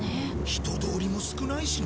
人通りも少ないしな。